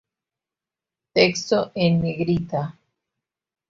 Texto en negrita